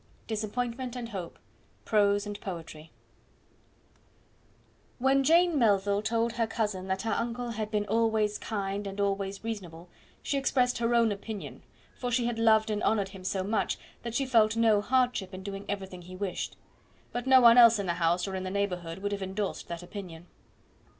Disappointment and Hope; Prose and Poetry When Jane Melville told her cousin that her uncle had been always kind and always reasonable, she expressed her own opinion, for she had loved and honoured him so much that she felt no hardship in doing everything he wished; but no one else in the house or in the neighbourhood would have endorsed that opinion.